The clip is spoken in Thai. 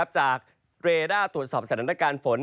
จากเรด้าตรวจสอบสถานการณ์ฝน